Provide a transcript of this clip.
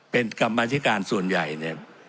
เป็นกันบรรทิการส่วนใหญ่เนี่ย